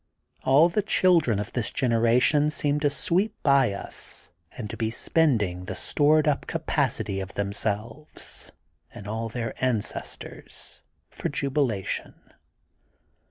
All the children of this generation seem to sweep by us and to be spending the stored up capac ity of themselves and all their ancestors for jubilation.